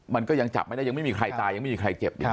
มันก็ยังจับไม่ได้ยังไม่มีใครตายยังไม่มีใครเจ็บอยู่